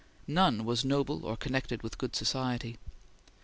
None was noble or connected with good society.